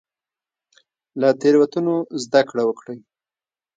له تیروتنو زده کړه وکړئ